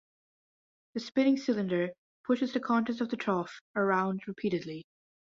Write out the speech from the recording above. The spinning cylinder pushes the contents of the trough around repeatedly.